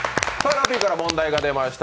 ラッピーから問題が出ました。